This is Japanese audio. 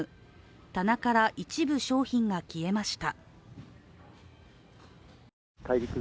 棚から一部商品が消えました。